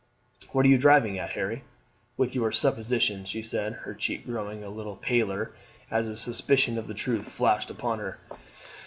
"What are you driving at, Harry, with your supposition?" she said, her cheek growing a little paler as a suspicion of the truth flashed upon her.